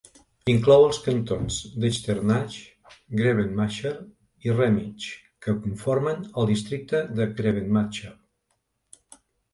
Inclou els cantons d'Echternach, Grevenmacher i Remich, que conformen el Districte de Grevenmacher.